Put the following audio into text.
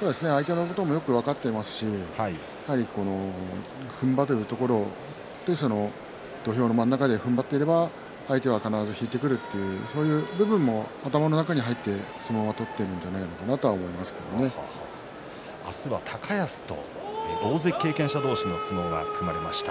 相手のことも分かっていますしふんばれるところを徹底して土俵でふんばっていれば相手は必ず引いてくるという部分も頭の中に入っていて相撲を取っているんじゃないかな明日は高安と大関経験者同士の対戦が組まれました。